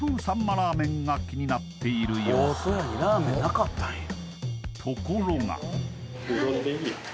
ラーメンが気になっている様子おっところがうどんでいい？